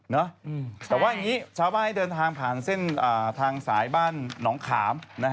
แต่ว่าอย่างนี้ชาวบ้านให้เดินทางผ่านเส้นทางสายบ้านหนองขาม